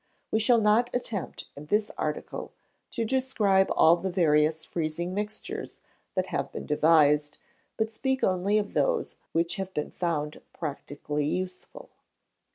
We shall not attempt, in this article, to describe all the various freezing mixtures that have been devised, but speak only of those which have been found practically useful.